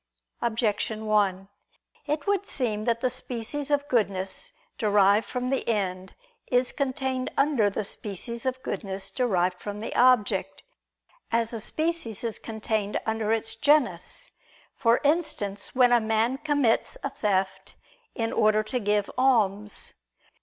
Objection 1: It would seem that the species of goodness derived from the end is contained under the species of goodness derived from the object, as a species is contained under its genus; for instance, when a man commits a theft in order to give alms.